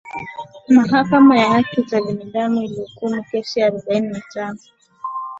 mahakama ya haki za binadamu ilihukumu kesi arobaini na tano